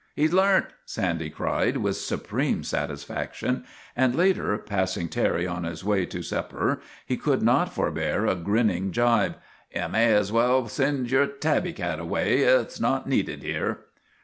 ' He 's learnt !' Sandy cried with supreme satis faction ; and later, passing Terry on his way to sup per, he could not forbear a grinning gibe. Ye may as well send your tabby cat away. It 's not needed here."